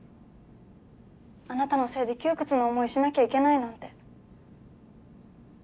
あなたのせいで窮屈な思いしなきゃいけないなんて